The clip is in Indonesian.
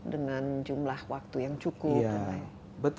dengan jumlah waktu yang cukup